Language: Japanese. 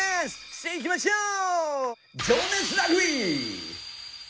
さあいきましょう！